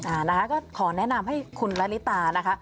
อ่านะคะก็ขอแนะนำให้คุณละลิตานะคะ